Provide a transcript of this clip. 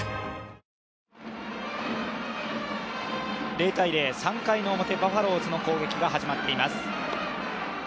０−０、３回表バファローズの攻撃が始まっています。